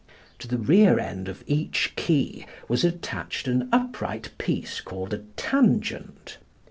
To the rear end of each key was attached an upright piece called a tangent.